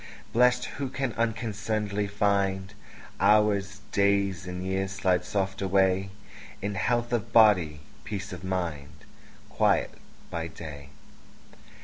Blest, who can unconcern'dly find Hours, days, and years, slide soft away In health of body, peace of mind, Quiet by day.